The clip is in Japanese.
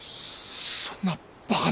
そんなバカな。